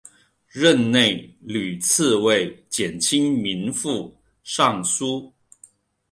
任内屡次为减轻民负上疏。